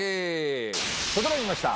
整いました。